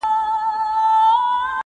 پر دغي لارې باندې مه ځئ.